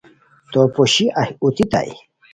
تو پوشی اہی اوتیتائے